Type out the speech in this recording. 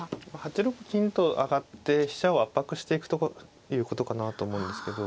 ８六金と上がって飛車を圧迫していくということかなと思うんですけど。